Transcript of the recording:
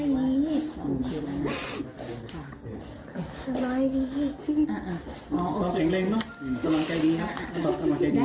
เห็นไหมคะไหว้ขอบคุณเจ้าหน้าที่ทุกคนด้วยนะคะ